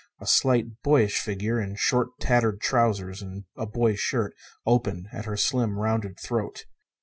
A slight, boyish figure in short, tattered trousers and a boy's shirt, open at her slim, rounded throat.